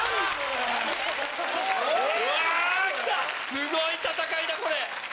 ・すごい戦いだこれ。